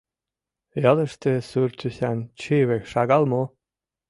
— Ялыште сур тӱсан чыве шагал мо?